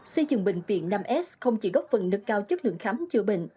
xây trường bệnh viện năm s không chỉ góp phần được cao chất lượng khám chữa bệnh